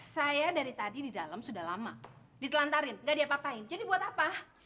saya dari tadi di dalam sudah lama ditelantarin gak diapa apain jadi buat apa